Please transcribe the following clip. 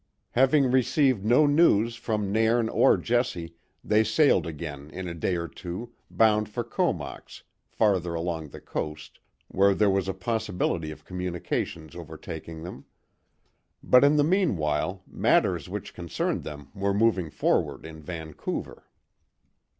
Having received no news from Nairn or Jessie, they sailed again in a day or two, bound for Comox, farther along the coast, where there was a possibility of communications overtaking them; but in the meanwhile matters which concerned them were moving forward in Vancouver.